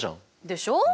でしょう？